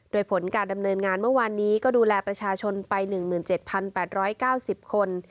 โดยผลการดำเนินงานเมื่อวานนี้ก็ดูแลประชาชนไป๑๗๘๙๐คน